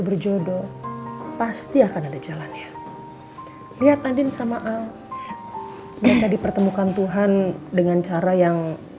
berjodoh pasti akan ada jalannya lihat andin sama al minta dipertemukan tuhan dengan cara yang